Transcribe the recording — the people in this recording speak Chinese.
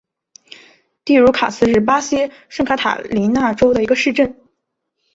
蒂茹卡斯是巴西圣卡塔琳娜州的一个市镇。